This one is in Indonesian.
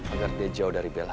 agar dia jauh dari bela